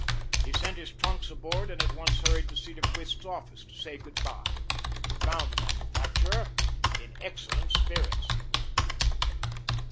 He sent his trunks aboard and at once hurried to Cedarquist's office to say good bye. He found the manufacturer in excellent spirits.